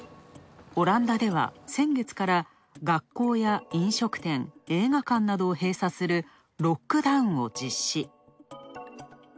オランダでは先月から学校や飲食店、映画館などを閉鎖するロックダウンを実施。